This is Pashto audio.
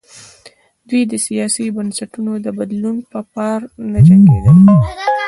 دوی د سیاسي بنسټونو د بدلون په پار نه جنګېدل.